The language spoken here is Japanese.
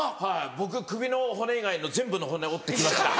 僕首の骨以外の全部の骨折って来ました。